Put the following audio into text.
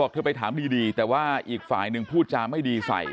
เธอไปถามดีแต่ว่าอีกฝ่ายหนึ่งพูดจาไม่ดีใส่